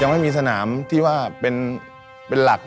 ยังไม่มีสนามด้านคลั้วภูมิแล้ว